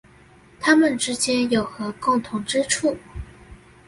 它們之間有何共同之處？